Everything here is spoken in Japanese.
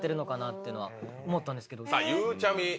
ゆうちゃみ。